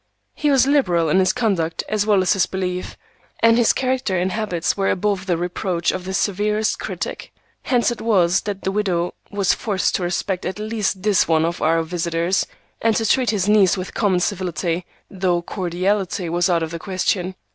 He was liberal in his conduct as well as his belief, and his character and habits were above the reproach of the severest critic. Hence it was that the widow was forced to respect at least this one of our visitors, and to treat his niece with common civility, though cordiality was out of the question.